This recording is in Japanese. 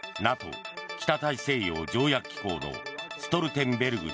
ＮＡＴＯ・北大西洋条約機構のストルテンベルグ